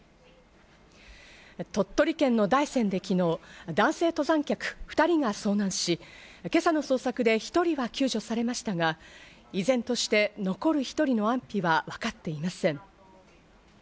鳥取県の大山で昨日、男性登山客２人が遭難し、今朝の捜索で１人は救助されましたが、依然として残る１人の安否はわかっていません。